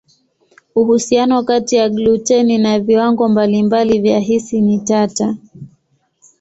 Uhusiano kati ya gluteni na viwango mbalimbali vya hisi ni tata.